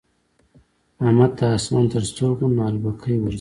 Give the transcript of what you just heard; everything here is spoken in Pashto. احمد ته اسمان تر سترګو نعلبکی ورځي.